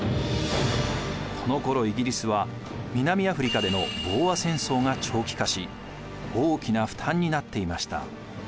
このころイギリスは南アフリカでのボーア戦争が長期化し大きな負担になっていました。